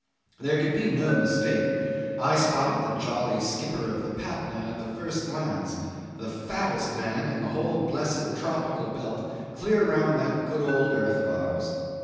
There could be no mistake; I spotted the jolly skipper of the Patna at the first glance: the fattest man in the whole blessed tropical belt clear round that good old earth of ours.